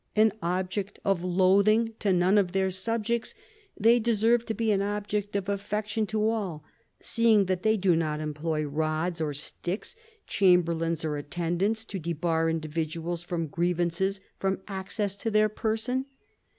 An object of loathing to none of their subjects, they deserve to be an object of affection to all, seeing that they do not employ rods or sticks, chamberlains or attendants, to debar individuals with grievances from' access to their person.